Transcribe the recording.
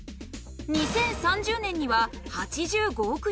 ２０３０年には８５億人。